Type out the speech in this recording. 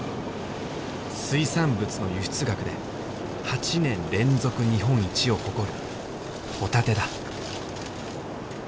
水産物の輸出額で８年連続日本一を誇るホタテだ。